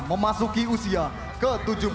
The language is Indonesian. memasuki usia ke tujuh puluh dua